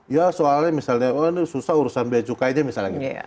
ya soalnya misalnya susah urusan biaya cukainya misalnya gitu